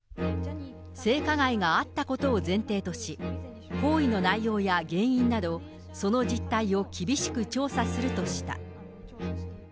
性加害があったことを前提とし、行為の内容や原因など、その実態を厳しく調査するとした。